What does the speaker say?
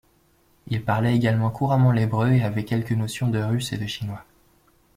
Il parlait également couramment l'hébreu et avait quelques notions de russe et de chinois.